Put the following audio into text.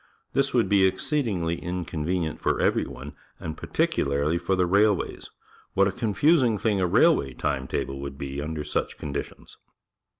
This would be exceedingly inconvenient for every one, and particularly for the railways. What a confus i n g thing a railway time table would be under such conditions